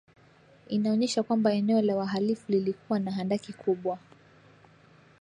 inaonyesha kwamba eneo la wahalifu lilikuwa na handaki kubwa